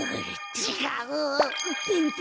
ちがう！